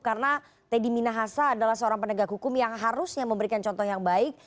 karena teddy minahasa adalah seorang penegak hukum yang harusnya memberikan contoh yang baik